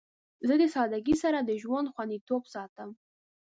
زه د سادگی سره د ژوند خوندیتوب ساتم.